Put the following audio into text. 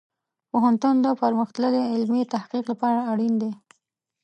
پوهنتون د پرمختللې علمي تحقیق لپاره اړین دی.